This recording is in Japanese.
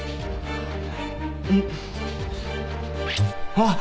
あっ！？